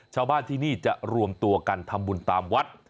ชาวบ้านที่นี่จะรวมตัวกันทำบุญตามวัด